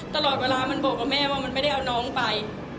ตลอดเวลามันบอกกับแม่ว่ามันไม่ได้เอาน้องไป